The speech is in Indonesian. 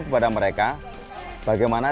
kepada mereka bagaimana